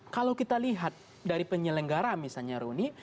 kalau kita lihat dari penyelenggara misalnya reuni